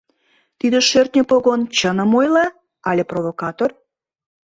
— Тиде шӧртньӧ погон чыным ойла, але провокатор?..